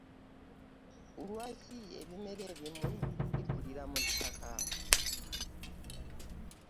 Kulwaki ebimera ebimu bikulira mu ttaka?